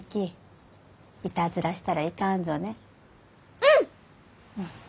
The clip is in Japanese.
うん！